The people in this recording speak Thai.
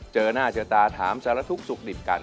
เจอหน้าเจอตาถามสารทุกข์สุขดิบกัน